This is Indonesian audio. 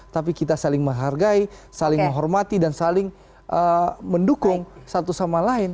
tapi kita saling menghargai saling menghormati dan saling mendukung satu sama lain